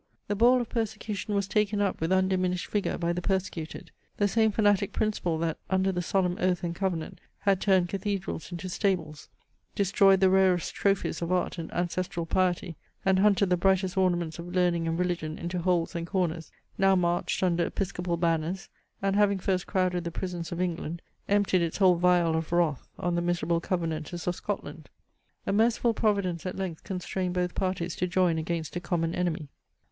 The ball of persecution was taken up with undiminished vigour by the persecuted. The same fanatic principle that, under the solemn oath and covenant, had turned cathedrals into stables, destroyed the rarest trophies of art and ancestral piety, and hunted the brightest ornaments of learning and religion into holes and corners, now marched under episcopal banners, and, having first crowded the prisons of England, emptied its whole vial of wrath on the miserable Covenanters of Scotland . A merciful providence at length constrained both parties to join against a common enemy.